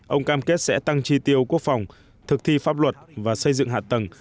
ông cam kết sẽ tăng tri tiêu quốc phòng thực thi pháp luật và xây dựng hạ tầng